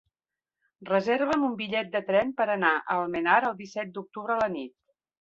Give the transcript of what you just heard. Reserva'm un bitllet de tren per anar a Almenar el disset d'octubre a la nit.